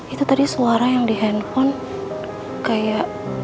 itu tadi suara yang di handphone kayak